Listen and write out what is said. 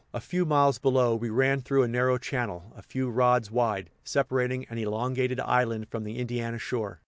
A few miles below, we ran through a narrow channel, a few rods wide, separating an elongated island from the Indiana shore.